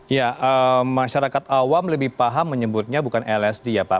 ya masyarakat awam lebih paham menyebutnya bukan lsd ya pak